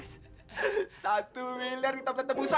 satu miliar kita beli tebusan